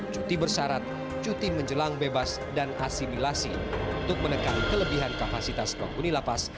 cuti bersyarat cuti menjelang bebas dan asimilasi untuk menekan kelebihan kapasitas penghuni lapas